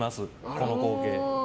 この光景。